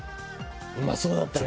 うまそうだったね！